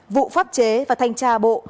vụ pháp chế và thanh tra bộ